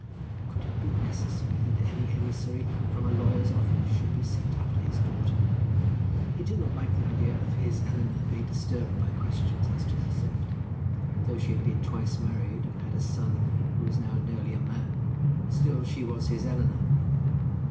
Could it be necessary that any emissary from a lawyer's office should be sent after his daughter? He did not like the idea of his Eleanor being disturbed by questions as to a theft. Though she had been twice married and had a son who was now nearly a man, still she was his Eleanor.